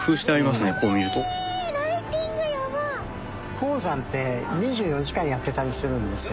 鉱山って２４時間やってたりするんですよ。